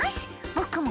僕も。